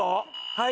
はい。